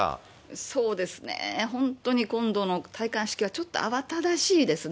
そうですね、本当に今度の戴冠式はちょっと慌ただしいですね。